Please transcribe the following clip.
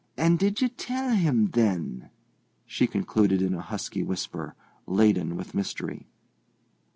And did ye tell him, then?" she concluded in a husky whisper, laden with mystery.